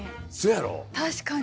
確かに。